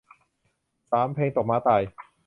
สามเพลงตกม้าตาย